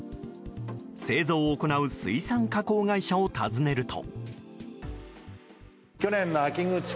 製造を行う水産加工会社を訪ねると。